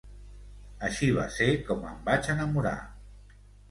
Així va ser com em vaig enamorar.